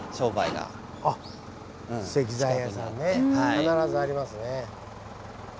必ずありますね。